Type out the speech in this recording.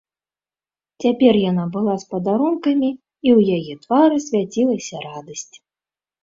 Цяпер яна была з падарункамі, і ў яе твары свяцілася радасць.